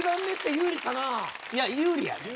いや有利やで。